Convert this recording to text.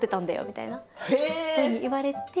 みたいなふうに言われて。